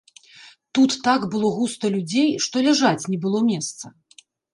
Тут так было густа людзей, што ляжаць не было месца.